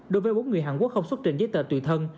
đối với bốn người hàn quốc không xuất trình giấy tờ tùy thân